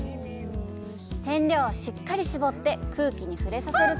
染料をしっかり絞って空気に触れさせると。